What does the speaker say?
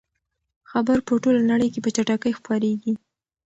خبر په ټوله نړۍ کې په چټکۍ خپریږي.